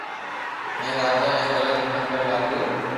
ھين راجا ني غلط ھمجوا لاگيو